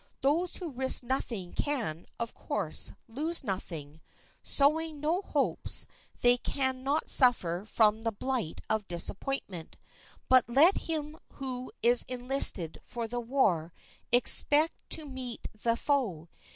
Those who risk nothing can, of course, lose nothing; sowing no hopes they can not suffer from the blight of disappointment. But let him who is enlisted for the war expect to meet the foe.